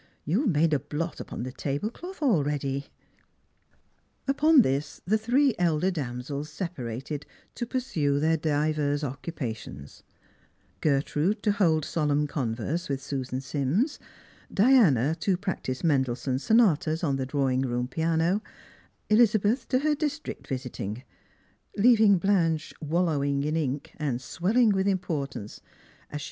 Tou've made a blot upon the table cloth already." Upon this, the three elder damsels separated to pursue their divers occupations: Gertrude to hold solemn converse with Susan Sims ; Diana to practise Mendelssohn's sonatas on the drawing room piano; Elizabeth to her district visiting ; leaving Blanche wallowing in ink, and swelling with importance, as she 86 Strangers and Pilgrimt.